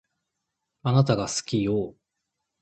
あなたが好きよ